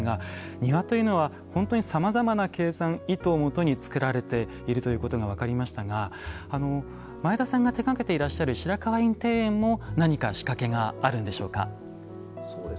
庭というのは本当にさまざまな計算意図をもとにつくられているということが分かりましたが、前田さんが手がけていらっしゃる白河院庭園も何か仕掛けがあるんでしょうか？